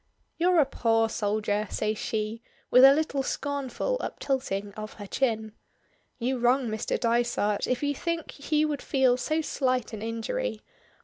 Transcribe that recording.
"You're a poor soldier!" says she, with a little scornful uptilting of her chin. "You wrong Mr. Dysart if you think he would feel so slight an injury.